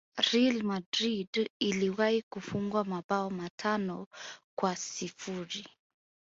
Real Madrid iliwahi kufungwa mabao matano kwa sifuri